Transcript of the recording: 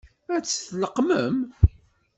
Ad tt-tleqqmem?